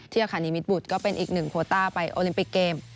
ที่อาคารนิมิตบุตรก็เป็นอีก๑โควตาร์ไปโอลิมปิกเกม